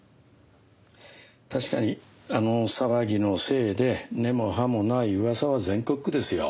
確かにあの騒ぎのせいで根も葉もない噂は全国区ですよ。